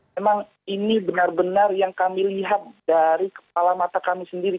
memang ini benar benar yang kami lihat dari kepala mata kami sendiri